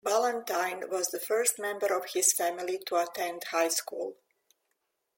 Ballantyne was the first member of his family to attend high school.